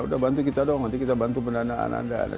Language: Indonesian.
udah bantu kita dong nanti kita bantu pendanaan anda